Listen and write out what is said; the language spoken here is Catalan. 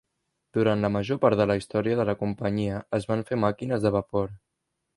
Durant la major part de la història de la companyia es van fer màquines de vapor.